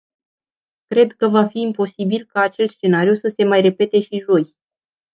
Cred că va fi imposibil ca acel scenariu să se mai repete și joi.